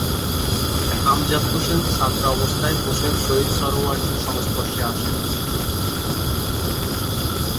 আমজাদ হোসেন ছাত্রাবস্থায় হোসেন শহীদ সোহরাওয়ার্দীর সংস্পর্শে আসেন।